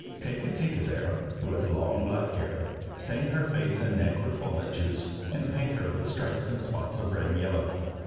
"Take Katinka, there, who has long black hair; stain her face and neck with walnut juice, and paint her with stripes and spots of red and yellow.